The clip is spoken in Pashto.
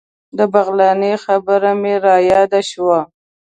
د بغلاني خبره مې رایاده شوه.